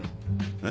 えっ？